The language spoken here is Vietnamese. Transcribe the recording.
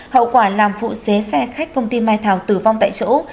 hậu quả làm phụ xế xe khách công ty mai thảo tử vong tại chỗ